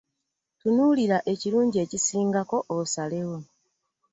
Tunuulira ekirungi ekisingako osalewo.